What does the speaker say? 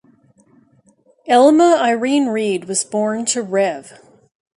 Elma Irene Reed was born to Rev.